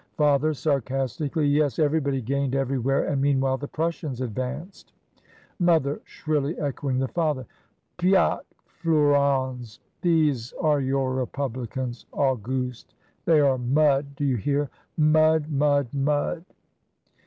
Father {sarcastically), "Yes, everybody gained everywhere, and meanwhile the Prussians advanced." Mother {shrilly echoing the father), "Pyat! Flourens! these are your republicans, Auguste. They are mud, do you hear, mud, mud, mud."